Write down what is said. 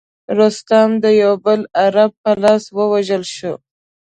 رستم د یوه بل عرب په لاس ووژل شو.